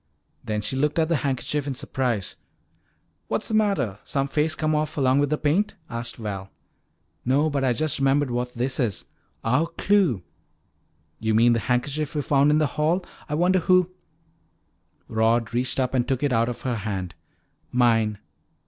Then she looked at the handkerchief in surprise. "What's the matter? Some face come off along with the paint?" asked Val. "No. But I just remembered what this is our clue!" "You mean the handkerchief we found in the hall? I wonder who " Rod reached up and took it out of her hand. "Mine.